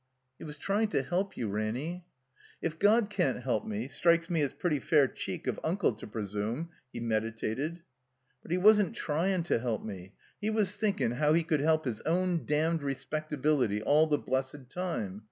"He was trying to help you, Ranny." '*If God can't help me, strikes me it's pretty fair cheek of Uncle to presume —" He meditated. "But he wasn't tryin' to help me. He was think in' how he could help his own damned respectability all the blessed time.